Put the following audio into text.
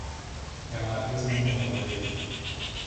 И она опять взглянула на Левина.